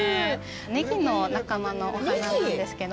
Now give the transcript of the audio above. ネギの仲間のお花なんですけど。